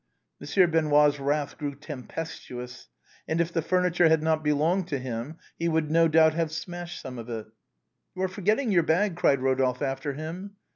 Monsieur Benoît's wrath grew tempestuous, and if the furniture had not belonged to him he would no doubt have smashed some of it. However, he went out muttering threats. " You are forgetting your bag," cried Eodolphe after him.